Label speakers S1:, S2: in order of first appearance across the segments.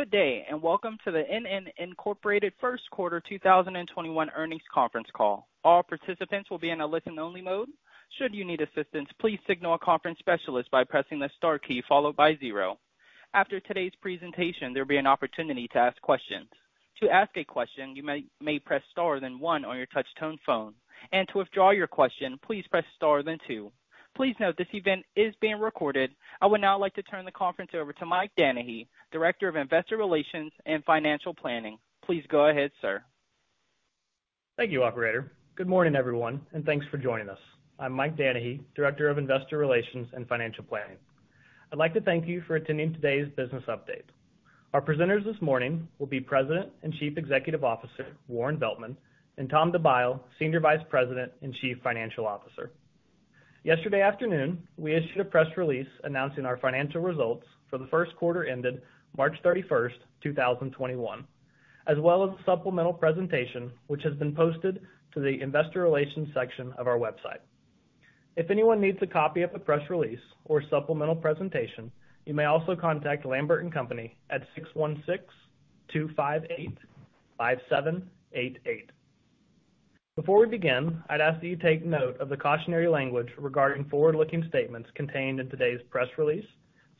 S1: Good day, and welcome to the NN, Inc First Quarter 2021 Earnings Conference Call. All participants will be in a listen-only mode. Should you need assistance, please signal a conference specialist by pressing the star key followed by zero. After today's presentation, there will be an opportunity to ask questions. To ask a question, you may press star then one on your touch-tone phone. To withdraw your question, please press star then two. Please note this event is being recorded. I would now like to turn the conference over to Mike Danahy, Director of Investor Relations and Financial Planning. Please go ahead, sir.
S2: Thank you, Operator. Good morning, everyone, and thanks for joining us. I'm Mike Danehy, Director of Investor Relations and Financial Planning. I'd like to thank you for attending today's business update. Our presenters this morning will be President and Chief Executive Officer Warren Veltman and Tom DeByle, Senior Vice President and Chief Financial Officer. Yesterday afternoon, we issued a press release announcing our financial results for the first quarter ended March 31st, 2021, as well as a supplemental presentation, which has been posted to the Investor Relations section of our website. If anyone needs a copy of the press release or supplemental presentation, you may also contact Lambert & Company at 616-258-5788. Before we begin, I'd ask that you take note of the cautionary language regarding forward-looking statements contained in today's press release,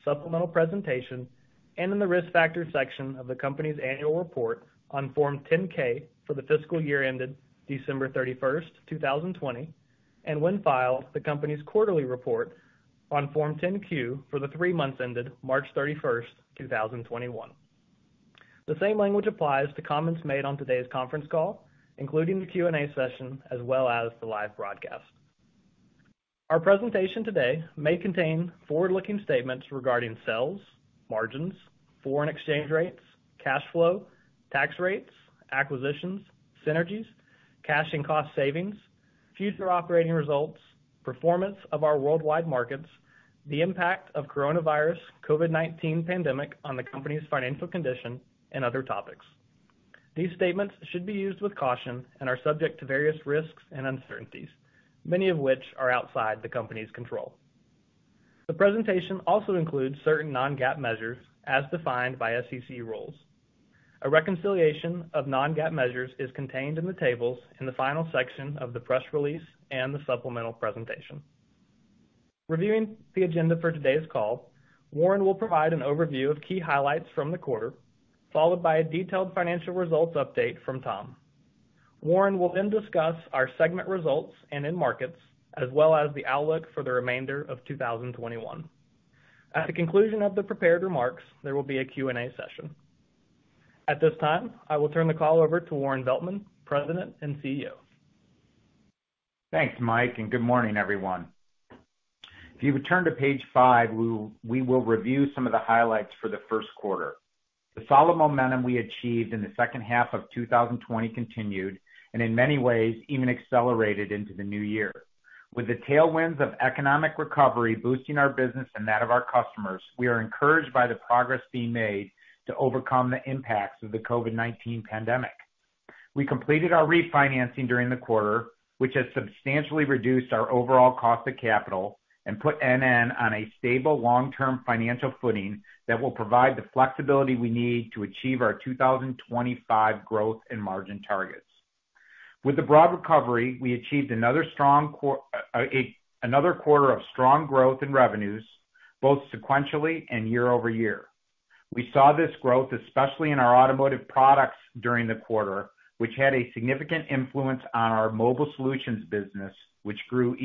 S2: supplemental presentation, and in the risk factor section of the company's annual report on Form 10-K for the fiscal year ended December 31st, 2020, and when filed, the company's quarterly report on Form 10-Q for the three months ended March 31st, 2021. The same language applies to comments made on today's conference call, including the Q&A session, as well as the live broadcast. Our presentation today may contain forward-looking statements regarding sales, margins, foreign exchange rates, cash flow, tax rates, acquisitions, synergies, cash and cost savings, future operating results, performance of our worldwide markets, the impact of coronavirus (COVID-19 pandemic on the company's financial condition, and other topics. These statements should be used with caution and are subject to various risks and uncertainties, many of which are outside the company's control. The presentation also includes certain non-GAAP measures as defined by SEC rules. A reconciliation of non-GAAP measures is contained in the tables in the final section of the press release and the supplemental presentation. Reviewing the agenda for today's call, Warren will provide an overview of key highlights from the quarter, followed by a detailed financial results update from Tom. Warren will then discuss our segment results and in markets, as well as the outlook for the remainder of 2021. At the conclusion of the prepared remarks, there will be a Q&A session. At this time, I will turn the call over to Warren Veltman, President and CEO.
S3: Thanks, Mike, and good morning, everyone. If you would turn to page five, we will review some of the highlights for the first quarter. The solid momentum we achieved in the second half of 2020 continued and, in many ways, even accelerated into the new year. With the tailwinds of economic recovery boosting our business and that of our customers, we are encouraged by the progress being made to overcome the impacts of the COVID-19 pandemic. We completed our refinancing during the quarter, which has substantially reduced our overall cost of capital and put NN on a stable long-term financial footing that will provide the flexibility we need to achieve our 2025 growth and margin targets. With the broad recovery, we achieved another quarter of strong growth in revenues, both sequentially and year-over-year. We saw this growth, especially in our automotive products during the quarter, which had a significant influence on our mobile solutions business, which grew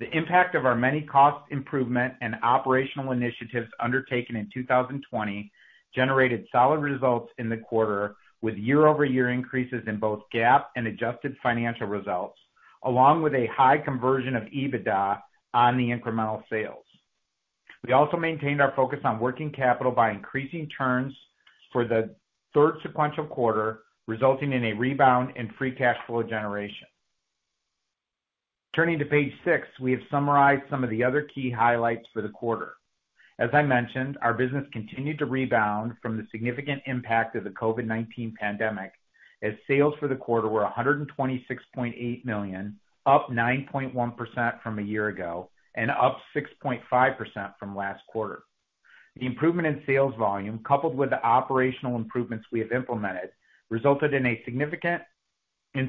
S3: even faster. The impact of our many cost improvement and operational initiatives undertaken in 2020 generated solid results in the quarter, with year-over-year increases in both GAAP and adjusted financial results, along with a high conversion of EBITDA on the incremental sales. We also maintained our focus on working capital by increasing turns for the third sequential quarter, resulting in a rebound in free cash flow generation. Turning to page six, we have summarized some of the other key highlights for the quarter. As I mentioned, our business continued to rebound from the significant impact of the COVID-19 pandemic, as sales for the quarter were $126.8 million, up 9.1% from a year ago and up 6.5% from last quarter. The improvement in sales volume, coupled with the operational improvements we have implemented, resulted in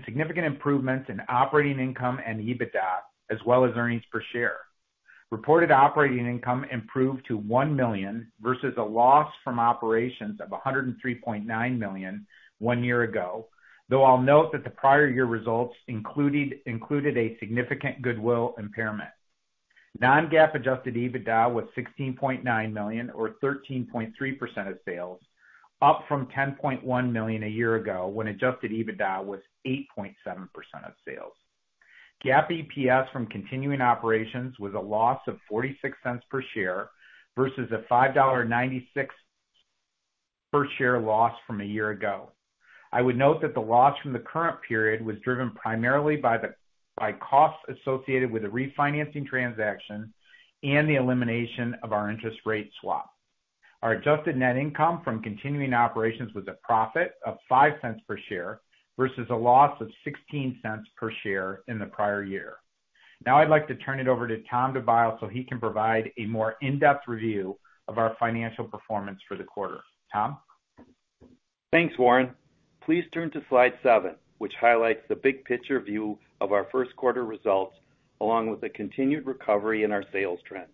S3: significant improvements in operating income and EBITDA, as well as earnings per share. Reported operating income improved to $1 million versus a loss from operations of $103.9 million one year ago, though I'll note that the prior year results included a significant goodwill impairment. Non-GAAP adjusted EBITDA was $16.9 million, or 13.3% of sales, up from $10.1 million a year ago when adjusted EBITDA was 8.7% of sales. GAAP EPS from continuing operations was a loss of $0.46 per share versus a $5.96 per share loss from a year ago. I would note that the loss from the current period was driven primarily by costs associated with the refinancing transaction and the elimination of our interest rate swap. Our adjusted net income from continuing operations was a profit of $0.05 per share versus a loss of $0.16 per share in the prior year. Now I'd like to turn it over to Tom DeByle so he can provide a more in-depth review of our financial performance for the quarter. Tom?
S4: Thanks, Warren. Please turn to slide seven, which highlights the big picture view of our first quarter results, along with the continued recovery in our sales trends.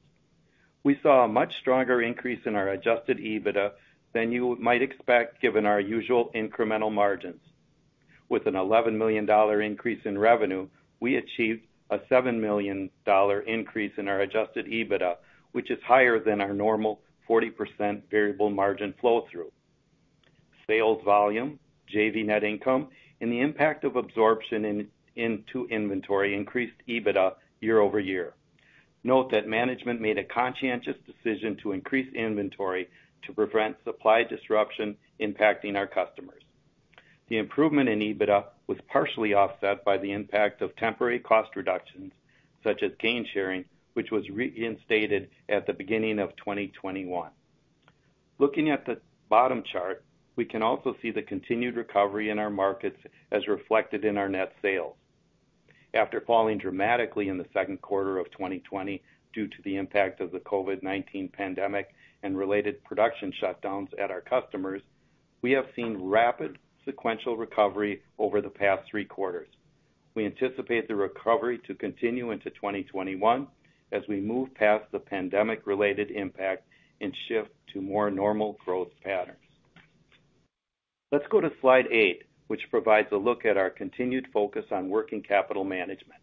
S4: We saw a much stronger increase in our adjusted EBITDA than you might expect, given our usual incremental margins. With an $11 million increase in revenue, we achieved a $7 million increase in our adjusted EBITDA, which is higher than our normal 40% variable margin flow-through. Sales volume, JV net income, and the impact of absorption into inventory increased EBITDA year-over-year. Note that management made a conscientious decision to increase inventory to prevent supply disruption impacting our customers. The improvement in EBITDA was partially offset by the impact of temporary cost reductions, such as gain sharing, which was reinstated at the beginning of 2021. Looking at the bottom chart, we can also see the continued recovery in our markets as reflected in our net sales. After falling dramatically in the second quarter of 2020 due to the impact of the COVID-19 pandemic and related production shutdowns at our customers, we have seen rapid sequential recovery over the past three quarters. We anticipate the recovery to continue into 2021 as we move past the pandemic-related impact and shift to more normal growth patterns. Let's go to slide eight, which provides a look at our continued focus on working capital management.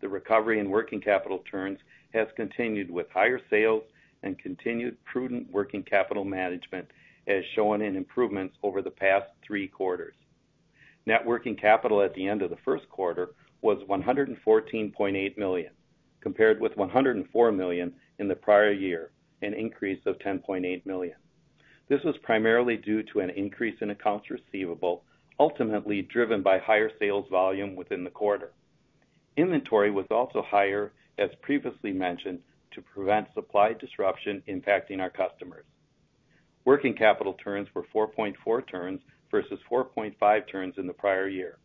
S4: The recovery in working capital churns has continued with higher sales and continued prudent working capital management, as shown in improvements over the past three quarters. Net working capital at the end of the first quarter was $114.8 million, compared with $104 million in the prior year, an increase of $10.8 million. This was primarily due to an increase in accounts receivable, ultimately driven by higher sales volume within the quarter. Inventory was also higher, as previously mentioned, to prevent supply disruption impacting our customers. Working capital returns were 4.4 churns versus 4.5 churns in the prior year.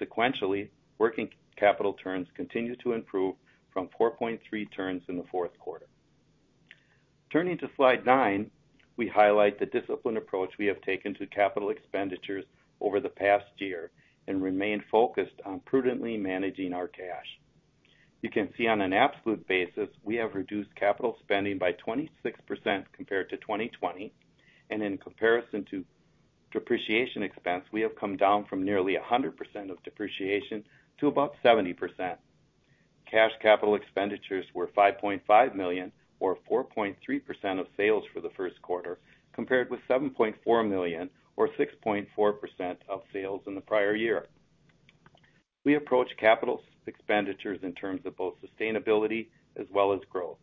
S4: Sequentially, working capital churns continued to improve from 4.3 churns in the fourth quarter. Turning to slide nine, we highlight the discipline approach we have taken to capital expenditures over the past year and remained focused on prudently managing our cash. You can see on an absolute basis, we have reduced capital spending by 26% compared to 2020. In comparison to depreciation expense, we have come down from nearly 100% of depreciation to about 70%. Cash capital expenditures were $5.5 million, or 4.3% of sales for the first quarter, compared with $7.4 million, or 6.4% of sales in the prior year. We approach capital expenditures in terms of both sustainability as well as growth.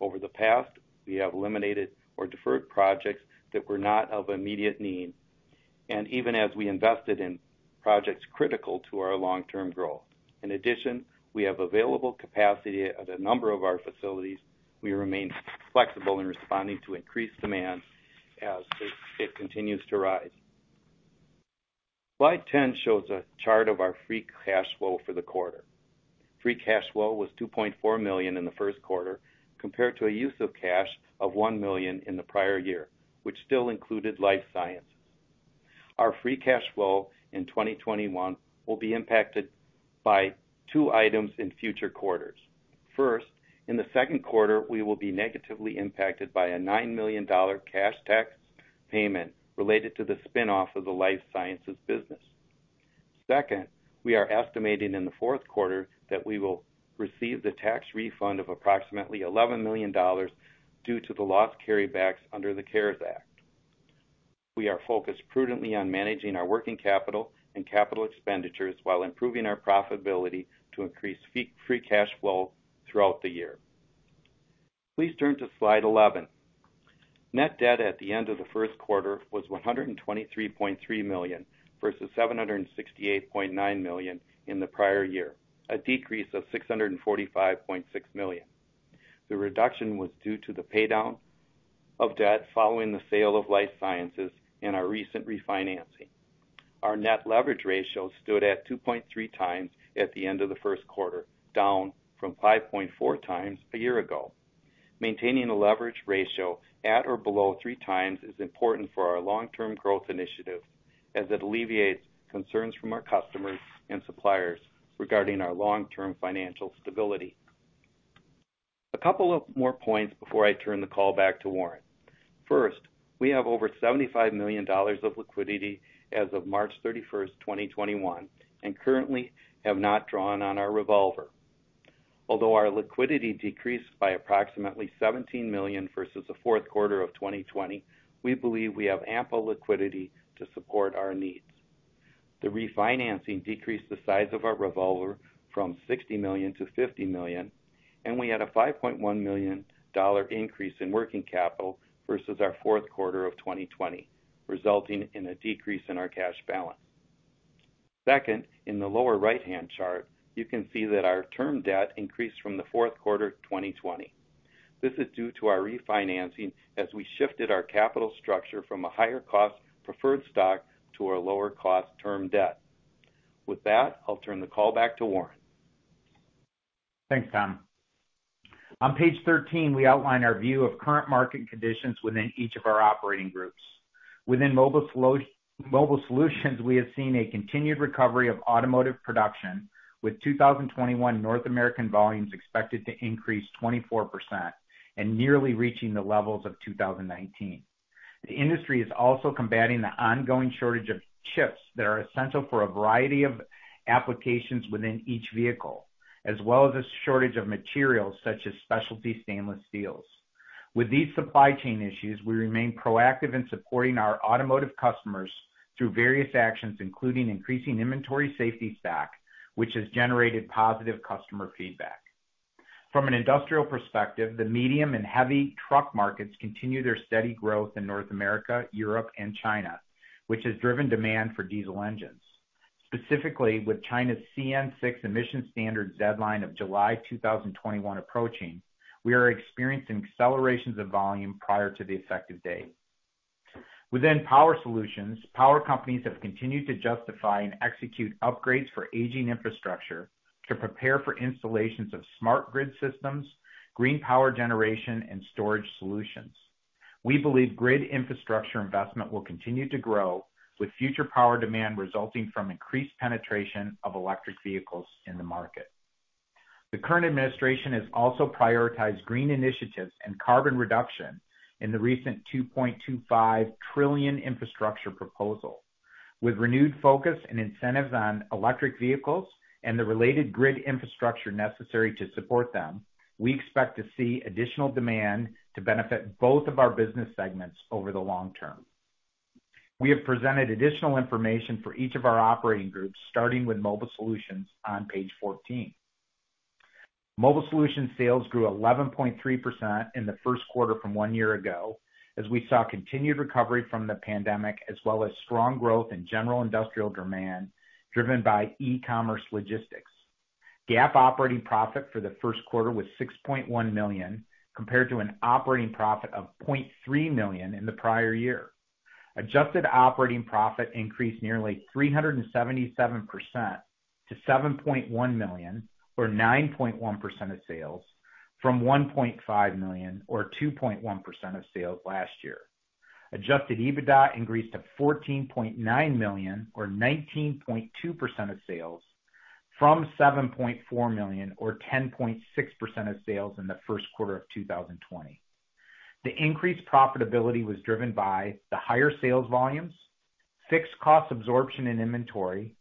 S4: Over the past, we have eliminated or deferred projects that were not of immediate need, and even as we invested in projects critical to our long-term growth. In addition, we have available capacity at a number of our facilities. We remain flexible in responding to increased demand as it continues to rise. Slide 10 shows a chart of our free cash flow for the quarter. Free cash flow was $2.4 million in the first quarter, compared to a use of cash of $1 million in the prior year, which still included Life Sciences. Our free cash flow in 2021 will be impacted by two items in future quarters. First, in the second quarter, we will be negatively impacted by a $9 million cash tax payment related to the spinoff of the Life Sciences business. Second, we are estimating in the fourth quarter that we will receive the tax refund of approximately $11 million due to the loss carrybacks under the CARES Act. We are focused prudently on managing our working capital and capital expenditures while improving our profitability to increase free cash flow throughout the year. Please turn to slide 11. Net debt at the end of the first quarter was $123.3 million versus $768.9 million in the prior year, a decrease of $645.6 million. The reduction was due to the paydown of debt following the sale of Life Sciences and our recent refinancing. Our net leverage ratio stood at 2.3 times at the end of the first quarter, down from 5.4 times a year ago. Maintaining a leverage ratio at or below three times is important for our long-term growth initiative, as it alleviates concerns from our customers and suppliers regarding our long-term financial stability. A couple of more points before I turn the call back to Warren. First, we have over $75 million of liquidity as of March 31st, 2021, and currently have not drawn on our revolver. Although our liquidity decreased by approximately $17 million versus the fourth quarter of 2020, we believe we have ample liquidity to support our needs. The refinancing decreased the size of our revolver from $60 to $50 million, and we had a $5.1 million increase in working capital versus our fourth quarter of 2020, resulting in a decrease in our cash balance. Second, in the lower right-hand chart, you can see that our term debt increased from the fourth quarter of 2020. This is due to our refinancing as we shifted our capital structure from a higher cost preferred stock to a lower cost term debt. With that, I'll turn the call back to Warren.
S3: Thanks, Tom. On page 13, we outline our view of current market conditions within each of our operating groups. Within mobile solutions, we have seen a continued recovery of automotive production, with 2021 North American volumes expected to increase 24% and nearly reaching the levels of 2019. The industry is also combating the ongoing shortage of chips that are essential for a variety of applications within each vehicle, as well as a shortage of materials such as specialty stainless steels. With these supply chain issues, we remain proactive in supporting our automotive customers through various actions, including increasing inventory safety stock, which has generated positive customer feedback. From an industrial perspective, the medium and heavy truck markets continue their steady growth in North America, Europe and China, which has driven demand for diesel engines. Specifically, with China's CN6 emission standards deadline of July 2021 approaching, we are experiencing accelerations of volume prior to the effective date. Within power solutions, power companies have continued to justify and execute upgrades for aging infrastructure to prepare for installations of smart grid systems, green power generation, and storage solutions. We believe grid infrastructure investment will continue to grow, with future power demand resulting from increased penetration of electric vehicles in the market. The current administration has also prioritized green initiatives and carbon reduction in the recent $2.25 trillion infrastructure proposal. With renewed focus and incentives on electric vehicles and the related grid infrastructure necessary to support them, we expect to see additional demand to benefit both of our business segments over the long term. We have presented additional information for each of our operating groups, starting with mobile solutions on page 14. Mobile solutions sales grew 11.3% in the first quarter from one year ago, as we saw continued recovery from the pandemic, as well as strong growth in general industrial demand driven by e-commerce logistics. GAAP operating profit for the first quarter was $6.1 million, compared to an operating profit of $0.3 million in the prior year. Adjusted operating profit increased nearly 377% to $7.1 million, or 9.1% of sales, from $1.5 million, or 2.1% of sales last year. Adjusted EBITDA increased to $14.9 million, or 19.2% of sales, from $7.4 million, or 10.6% of sales in the first quarter of 2020. The increased profitability was driven by the higher sales volumes, fixed cost absorption in inventory,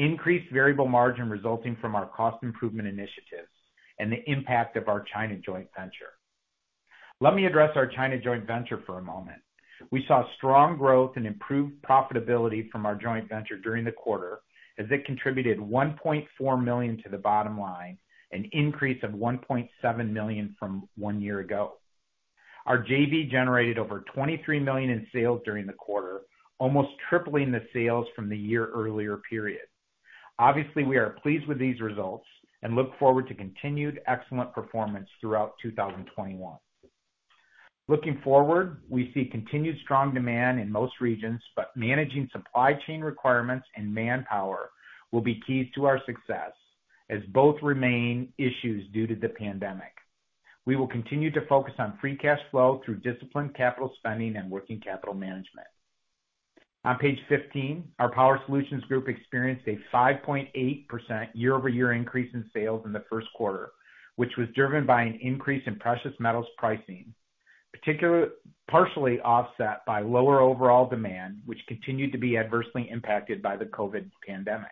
S3: increased variable margin resulting from our cost improvement initiatives, and the impact of our China Joint Venture. Let me address our China Joint Venture for a moment. We saw strong growth and improved profitability from our joint venture during the quarter, as it contributed $1.4 million to the bottom line and an increase of $1.7 million from one year ago. Our JV generated over $23 million in sales during the quarter, almost tripling the sales from the year earlier period. Obviously, we are pleased with these results and look forward to continued excellent performance throughout 2021. Looking forward, we see continued strong demand in most regions, but managing supply chain requirements and manpower will be key to our success, as both remain issues due to the pandemic. We will continue to focus on free cash flow through disciplined capital spending and working capital management. On page 15, our power solutions group experienced a 5.8% year-over-year increase in sales in the first quarter, which was driven by an increase in precious metals pricing, partially offset by lower overall demand, which continued to be adversely impacted by the COVID pandemic.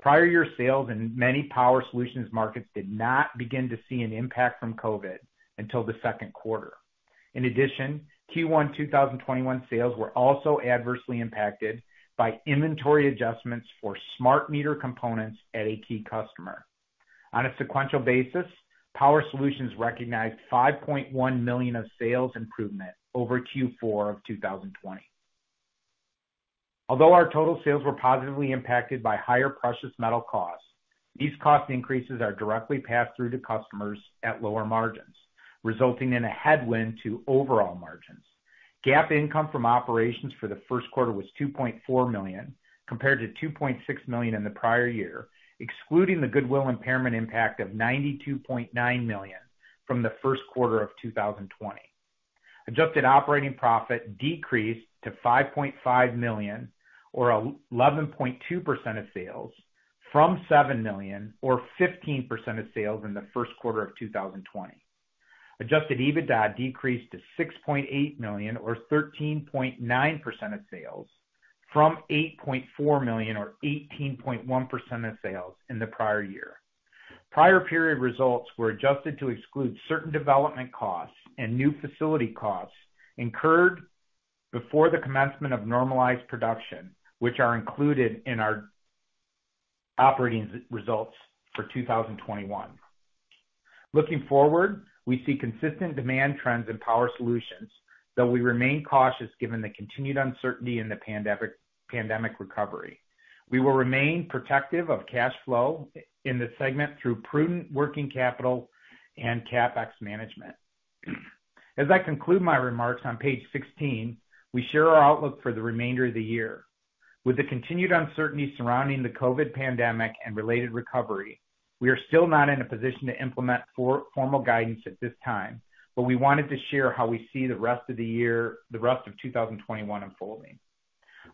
S3: Prior year sales in many power solutions markets did not begin to see an impact from COVID until the second quarter. In addition, Q1 2021 sales were also adversely impacted by inventory adjustments for smart meter components at a key customer. On a sequential basis, power solutions recognized $5.1 million of sales improvement over Q4 of 2020. Although our total sales were positively impacted by higher precious metal costs, these cost increases are directly passed through to customers at lower margins, resulting in a headwind to overall margins. GAAP income from operations for the first quarter was $2.4 million, compared to $2.6 million in the prior year, excluding the goodwill impairment impact of $92.9 million from the first quarter of 2020. Adjusted operating profit decreased to $5.5 million, or 11.2% of sales, from $7 million, or 15% of sales in the first quarter of 2020. Adjusted EBITDA decreased to $6.8 million, or 13.9% of sales, from $8.4 million, or 18.1% of sales in the prior year. Prior period results were adjusted to exclude certain development costs and new facility costs incurred before the commencement of normalized production, which are included in our operating results for 2021. Looking forward, we see consistent demand trends in power solutions, though we remain cautious given the continued uncertainty in the pandemic recovery. We will remain protective of cash flow in the segment through prudent working capital and CapEx management. As I conclude my remarks on page 16, we share our outlook for the remainder of the year. With the continued uncertainty surrounding the COVID pandemic and related recovery, we are still not in a position to implement formal guidance at this time, but we wanted to share how we see the rest of the year, the rest of 2021 unfolding.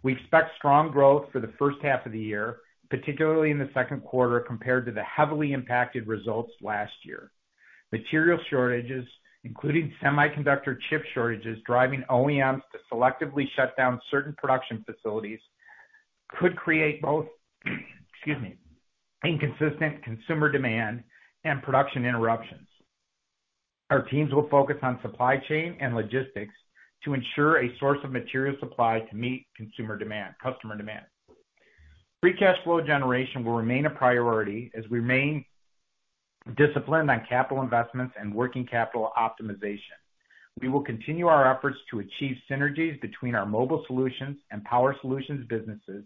S3: We expect strong growth for the first half of the year, particularly in the second quarter compared to the heavily impacted results last year. Material shortages, including semiconductor chip shortages, driving OEMs to selectively shut down certain production facilities could create, excuse me, inconsistent consumer demand and production interruptions. Our teams will focus on supply chain and logistics to ensure a source of material supply to meet consumer demand, customer demand. Free cash flow generation will remain a priority as we remain disciplined on capital investments and working capital optimization. We will continue our efforts to achieve synergies between our Mobile solutions and Power Solutions businesses,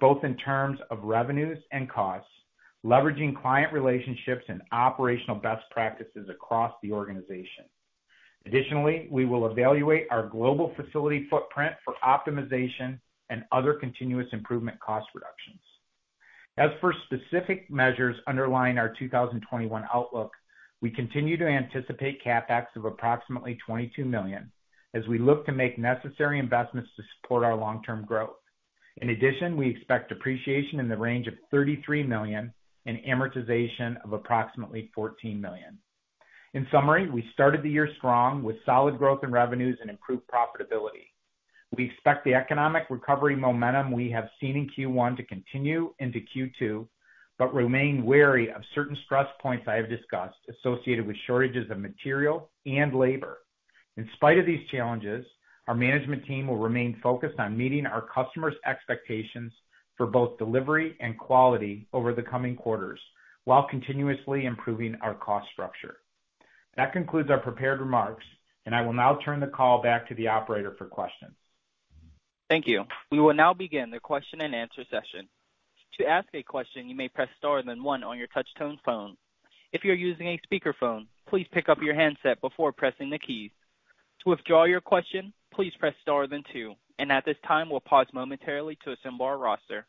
S3: both in terms of revenues and costs, leveraging client relationships and operational best practices across the organization. Additionally, we will evaluate our global facility footprint for optimization and other continuous improvement cost reductions. As for specific measures underlying our 2021 outlook, we continue to anticipate CapEx of approximately $22 million as we look to make necessary investments to support our long-term growth. In addition, we expect depreciation in the range of $33 million and amortization of approximately $14 million. In summary, we started the year strong with solid growth in revenues and improved profitability. We expect the economic recovery momentum we have seen in Q1 to continue into Q2, but remain wary of certain stress points I have discussed associated with shortages of material and labor. In spite of these challenges, our management team will remain focused on meeting our customers' expectations for both delivery and quality over the coming quarters while continuously improving our cost structure. That concludes our prepared remarks, and I will now turn the call back to the operator for questions.
S1: Thank you. We will now begin the Q&A session. To ask a question, you may press star then one on your touchtone phone. If you're using a speakerphone, please pick up your handset before pressing the keys. To withdraw your question, please press star then two. At this time, we'll pause momentarily to assemble our roster.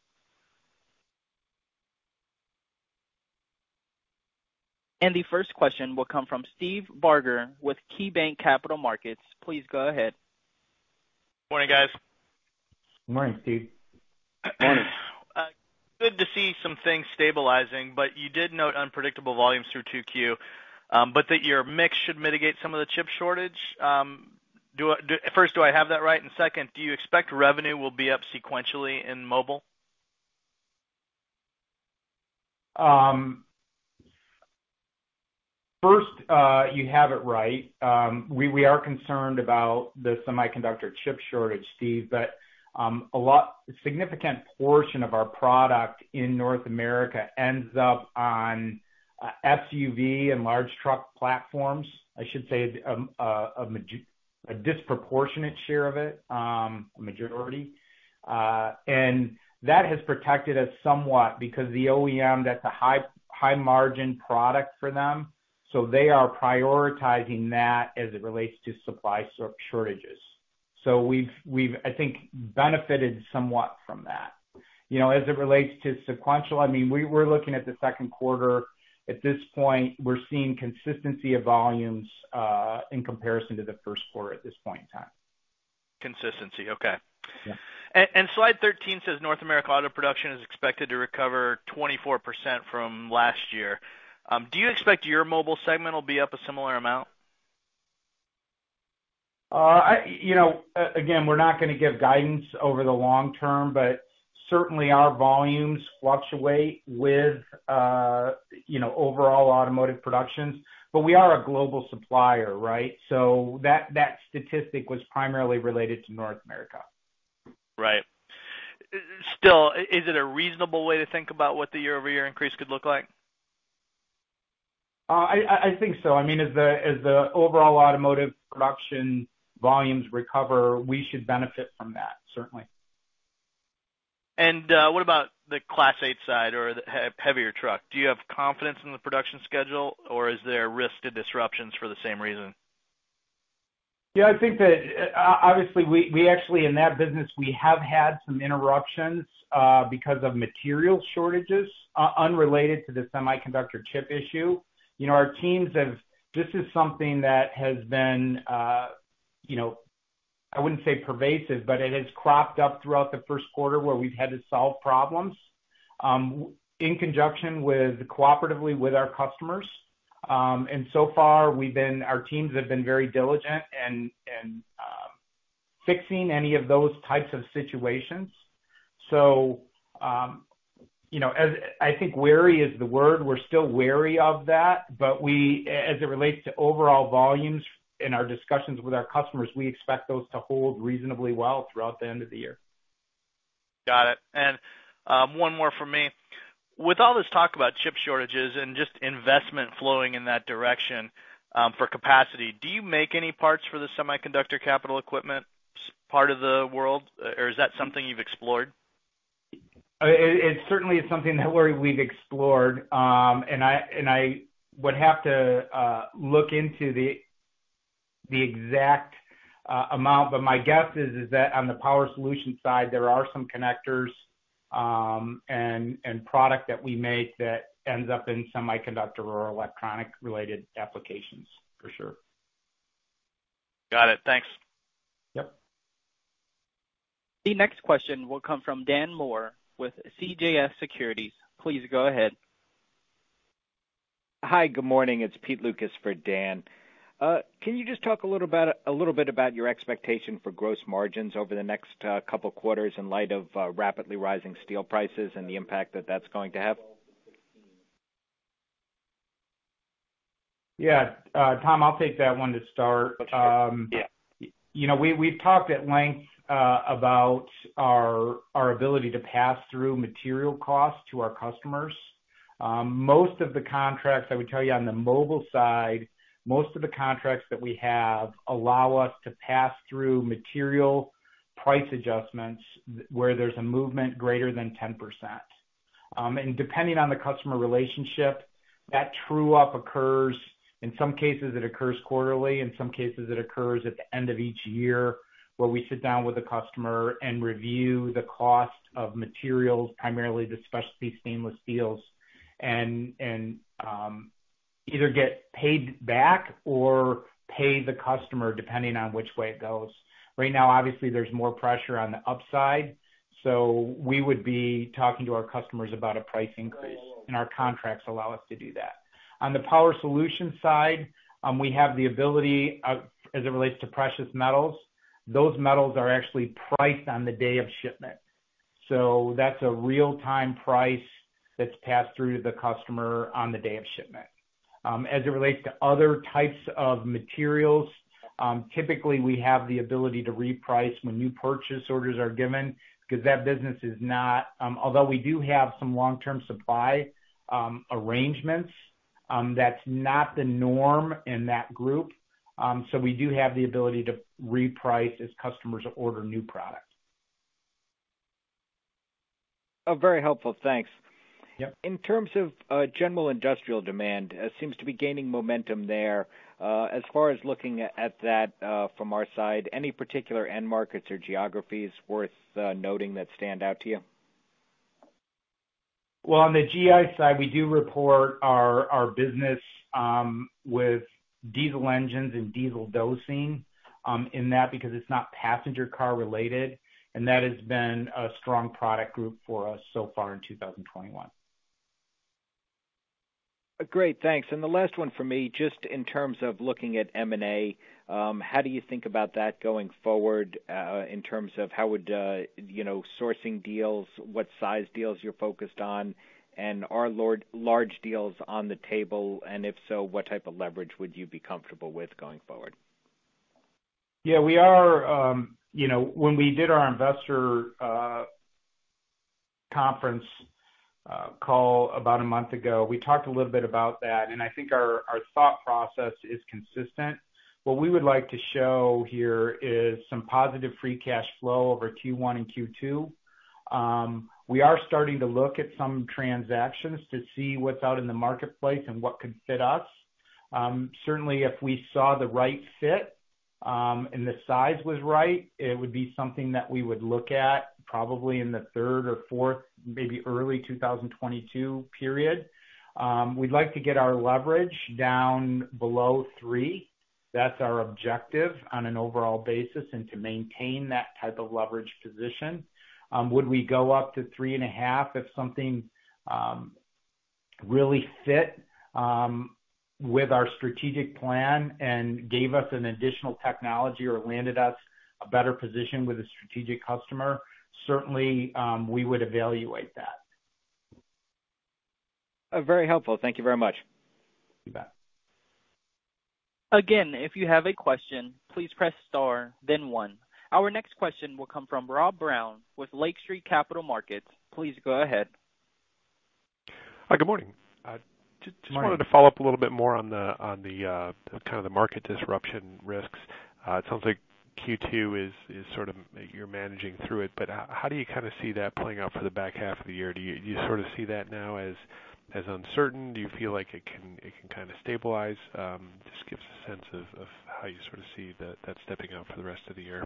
S1: The first question will come from Steve Barger with KeyBanc Capital Markets. Please go ahead.
S5: Morning, guys.
S3: Morning, Steve.
S5: Good to see some things stabilizing, but you did note unpredictable volumes through 2Q, but that your mix should mitigate some of the chip shortage. First, do I have that right? Second, do you expect revenue will be up sequentially in mobile?
S3: First, you have it right. We are concerned about the semiconductor chip shortage, Steve, but a significant portion of our product in North America ends up on SUV and large truck platforms. I should say a disproportionate share of it, a majority. That has protected us somewhat because the OEM, that's a high-margin product for them. They are prioritizing that as it relates to supply shortages. I think we've benefited somewhat from that. As it relates to sequential, I mean, we're looking at the second quarter. At this point, we're seeing consistency of volumes in comparison to the first quarter at this point in time.
S5: Consistency, okay. Slide 13 says North America auto production is expected to recover 24% from last year. Do you expect your mobile segment will be up a similar amount?
S3: Again, we're not going to give guidance over the long term, but certainly our volumes fluctuate with overall automotive productions. We are a global supplier, right? That statistic was primarily related to North America.
S5: Right. Still, is it a reasonable way to think about what the year-over-year increase could look like?
S3: I think so. I mean, as the overall automotive production volumes recover, we should benefit from that, certainly.
S5: What about the Class 8 side or the heavier truck? Do you have confidence in the production schedule, or is there risk to disruptions for the same reason?
S4: Yeah, I think that obviously, we actually, in that business, we have had some interruptions because of material shortages unrelated to the semiconductor chip issue. Our teams have, this is something that has been, I wouldn't say pervasive, but it has cropped up throughout the first quarter where we've had to solve problems in conjunction with cooperatively with our customers. Our teams have been very diligent in fixing any of those types of situations. I think wary is the word. We're still wary of that, but as it relates to overall volumes in our discussions with our customers, we expect those to hold reasonably well throughout the end of the year.
S5: Got it. One more from me. With all this talk about chip shortages and just investment flowing in that direction for capacity, do you make any parts for the semiconductor capital equipment part of the world, or is that something you've explored?
S3: It certainly is something that we've explored. I would have to look into the exact amount, but my guess is that on the power solution side, there are some connectors and product that we make that ends up in semiconductor or electronic-related applications, for sure.
S5: Got it. Thanks.
S3: Yep.
S1: The next question will come from Dan Moore with CJS Securities. Please go ahead.
S6: Hi, good morning. It's Pete Lucas for Dan. Can you just talk a little bit about your expectation for gross margins over the next couple of quarters in light of rapidly rising steel prices and the impact that that's going to have?
S4: Yeah. Tom, I'll take that one to start.
S6: Let's do it. Yeah.
S4: We've talked at length about our ability to pass through material costs to our customers. Most of the contracts, I would tell you on the mobile side, most of the contracts that we have allow us to pass through material price adjustments where there's a movement greater than 10%. Depending on the customer relationship, that true-up occurs. In some cases, it occurs quarterly. In some cases, it occurs at the end of each year where we sit down with the customer and review the cost of materials, primarily the specialty stainless steels, and either get paid back or pay the customer depending on which way it goes. Right now, obviously, there's more pressure on the upside. We would be talking to our customers about a price increase, and our contracts allow us to do that. On the power solution side, we have the ability, as it relates to precious metals, those metals are actually priced on the day of shipment. That is a real-time price that is passed through to the customer on the day of shipment. As it relates to other types of materials, typically, we have the ability to reprice when new purchase orders are given because that business is not, although we do have some long-term supply arrangements, that is not the norm in that group. We do have the ability to reprice as customers order new product.
S6: Oh, very helpful. Thanks. In terms of general industrial demand, it seems to be gaining momentum there. As far as looking at that from our side, any particular end markets or geographies worth noting that stand out to you?
S4: On the GI side, we do report our business with diesel engines and diesel dosing in that because it's not passenger car related, and that has been a strong product group for us so far in 2021.
S6: Great. Thanks. The last one for me, just in terms of looking at M&A, how do you think about that going forward in terms of how would sourcing deals, what size deals you're focused on, and are large deals on the table? If so, what type of leverage would you be comfortable with going forward?
S4: Yeah, we are. When we did our investor conference call about a month ago, we talked a little bit about that, and I think our thought process is consistent. What we would like to show here is some positive free cash flow over Q1 and Q2. We are starting to look at some transactions to see what's out in the marketplace and what could fit us. Certainly, if we saw the right fit and the size was right, it would be something that we would look at probably in the 3rd or 4th, maybe early 2022 period. We'd like to get our leverage down below 3. That's our objective on an overall basis and to maintain that type of leverage position. Would we go up to three and a half if something really fit with our strategic plan and gave us an additional technology or landed us a better position with a strategic customer? Certainly, we would evaluate that.
S6: Very helpful. Thank you very much.
S4: You bet.
S1: Again, if you have a question, please press star, then one. Our next question will come from Rob Brown with Lake Street Capital Markets. Please go ahead.
S7: Hi, good morning. Just wanted to follow up a little bit more on the kind of the market disruption risks. It sounds like Q2 is sort of you're managing through it, but how do you kind of see that playing out for the back half of the year? Do you sort of see that now as uncertain? Do you feel like it can kind of stabilize? Just give us a sense of how you sort of see that stepping out for the rest of the year.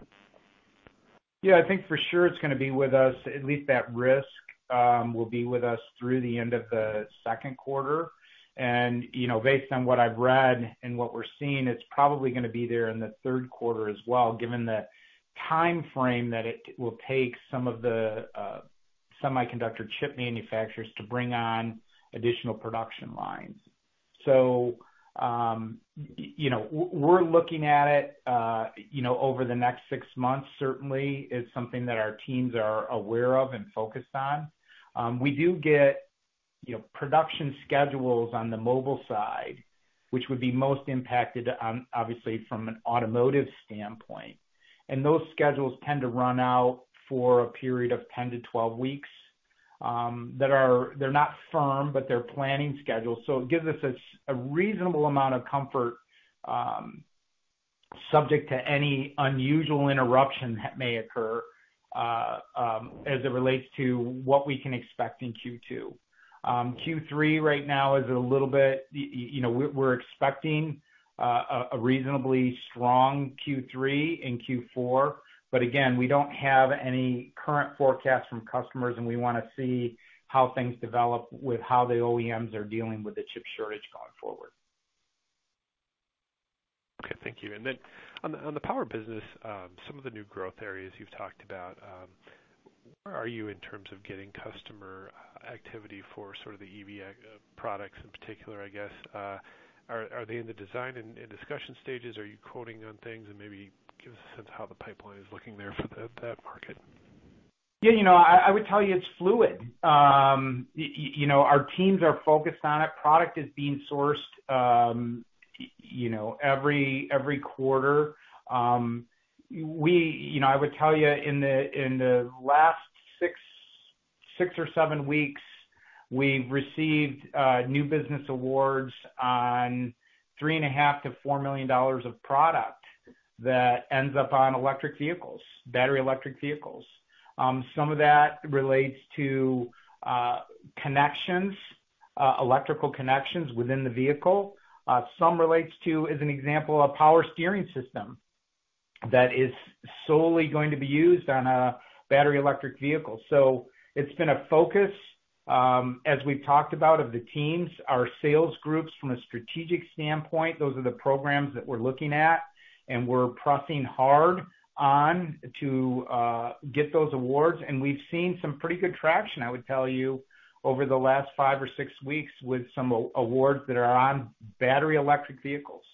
S3: Yeah, I think for sure it's going to be with us. At least that risk will be with us through the end of the second quarter. Based on what I've read and what we're seeing, it's probably going to be there in the third quarter as well, given the time frame that it will take some of the semiconductor chip manufacturers to bring on additional production lines. We're looking at it over the next six months, certainly, as something that our teams are aware of and focused on. We do get production schedules on the mobile side, which would be most impacted, obviously, from an automotive standpoint. Those schedules tend to run out for a period of 10-12 weeks. They're not firm, but they're planning schedules. It gives us a reasonable amount of comfort subject to any unusual interruption that may occur as it relates to what we can expect in Q2. Q3 right now is a little bit, we're expecting a reasonably strong Q3 and Q4, but again, we don't have any current forecast from customers, and we want to see how things develop with how the OEMs are dealing with the chip shortage going forward.
S7: Okay. Thank you. On the power business, some of the new growth areas you've talked about, where are you in terms of getting customer activity for sort of the EV products in particular, I guess? Are they in the design and discussion stages? Are you quoting on things? Maybe give us a sense of how the pipeline is looking there for that market.
S4: Yeah, I would tell you it's fluid. Our teams are focused on it. Product is being sourced every quarter. I would tell you in the last six or seven weeks, we've received new business awards on $3.5 to $4 million of product that ends up on electric vehicles, battery electric vehicles. Some of that relates to connections, electrical connections within the vehicle. Some relates to, as an example, a power steering system that is solely going to be used on a battery electric vehicle. It's been a focus, as we've talked about, of the teams, our sales groups from a strategic standpoint. Those are the programs that we're looking at, and we're pressing hard on to get those awards. We have seen some pretty good traction, I would tell you, over the last five or six weeks with some awards that are on battery electric vehicles.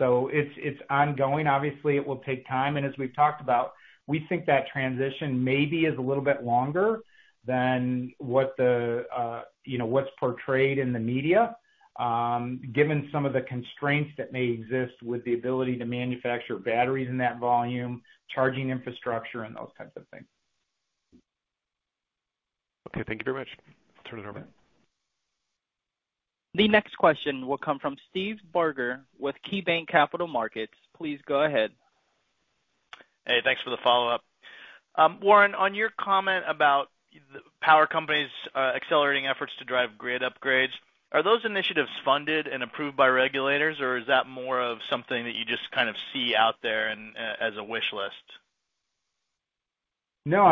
S4: It is ongoing. Obviously, it will take time. As we have talked about, we think that transition maybe is a little bit longer than what is portrayed in the media, given some of the constraints that may exist with the ability to manufacture batteries in that volume, charging infrastructure, and those types of things.
S7: Okay. Thank you very much. I'll turn it over.
S1: The next question will come from Steve Barger with KeyBanc Capital Markets. Please go ahead.
S5: Hey, thanks for the follow-up. Warren, on your comment about power companies accelerating efforts to drive grid upgrades, are those initiatives funded and approved by regulators, or is that more of something that you just kind of see out there as a wish list?
S3: No,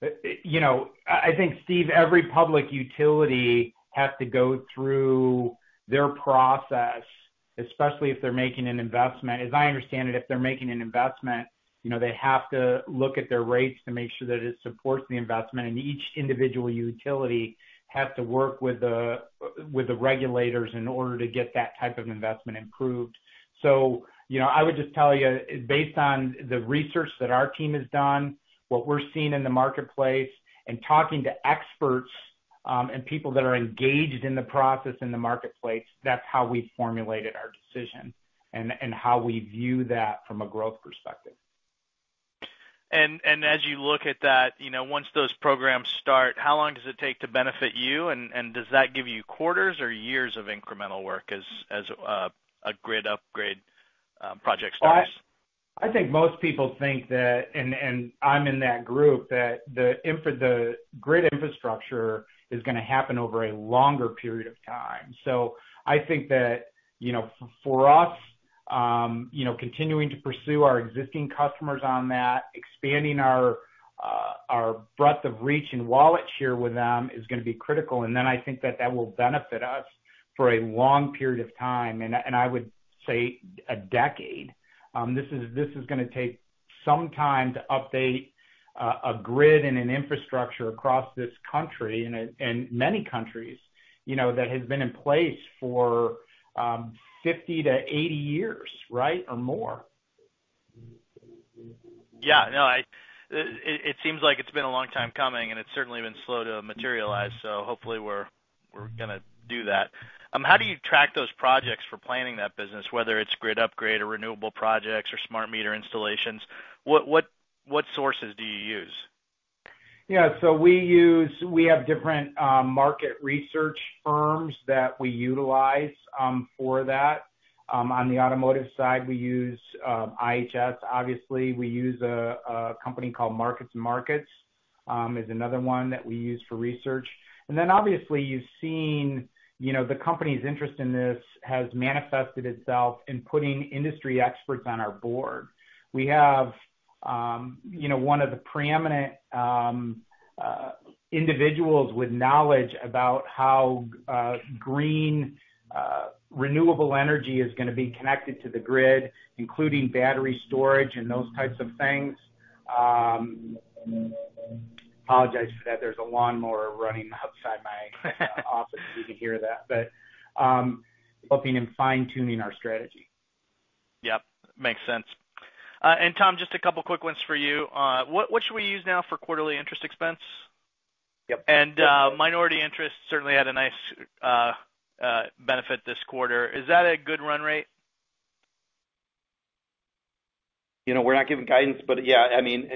S3: I think, Steve, every public utility has to go through their process, especially if they're making an investment. As I understand it, if they're making an investment, they have to look at their rates to make sure that it supports the investment. Each individual utility has to work with the regulators in order to get that type of investment approved. I would just tell you, based on the research that our team has done, what we're seeing in the marketplace, and talking to experts and people that are engaged in the process in the marketplace, that's how we've formulated our decision and how we view that from a growth perspective.
S5: As you look at that, once those programs start, how long does it take to benefit you? Does that give you quarters or years of incremental work as a grid upgrade project starts?
S3: I think most people think that, and I'm in that group, that the grid infrastructure is going to happen over a longer period of time. I think that for us, continuing to pursue our existing customers on that, expanding our breadth of reach and wallet share with them is going to be critical. I think that that will benefit us for a long period of time. I would say a decade. This is going to take some time to update a grid and an infrastructure across this country and many countries that has been in place for 50 to 80 years, right, or more.
S5: Yeah. No, it seems like it's been a long time coming, and it's certainly been slow to materialize. Hopefully, we're going to do that. How do you track those projects for planning that business, whether it's grid upgrade or renewable projects or smart meter installations? What sources do you use?
S3: Yeah. We have different market research firms that we utilize for that. On the automotive side, we use IHS. Obviously, we use a company called MarketsandMarkets is another one that we use for research. Obviously, you have seen the company's interest in this has manifested itself in putting industry experts on our board. We have one of the preeminent individuals with knowledge about how green renewable energy is going to be connected to the grid, including battery storage and those types of things. Apologize for that. There is a lawnmower running outside my office so you can hear that, but helping in fine-tuning our strategy.
S5: Makes sense. Tom, just a couple of quick ones for you. What should we use now for quarterly interest expense?
S3: Yep.
S5: Minority interest certainly had a nice benefit this quarter. Is that a good run rate?
S4: We're not giving guidance, but yeah. I mean,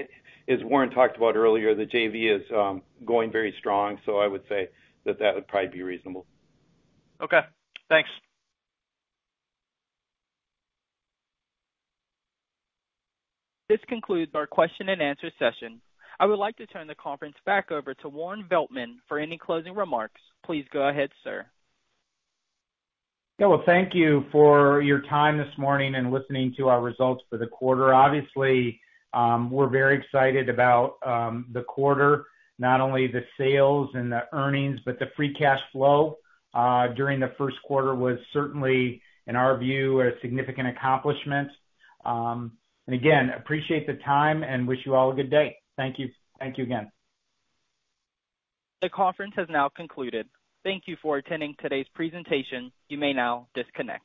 S4: as Warren talked about earlier, the JV is going very strong. I would say that that would probably be reasonable.
S5: Okay. Thanks.
S1: This concludes our question-and-answer session. I would like to turn the conference back over to Warren Veltman for any closing remarks. Please go ahead, sir.
S3: Thank you for your time this morning and listening to our results for the quarter. Obviously, we're very excited about the quarter, not only the sales and the earnings, but the free cash flow during the first quarter was certainly, in our view, a significant accomplishment. Again, appreciate the time and wish you all a good day. Thank you. Thank you again.
S1: The conference has now concluded. Thank you for attending today's presentation. You may now disconnect.